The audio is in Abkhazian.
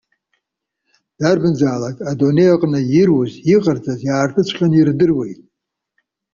Дарбанзаалак, адунеи аҟны ируыз, иҟарҵаз иаартыҵәҟьаны ирдыруеит.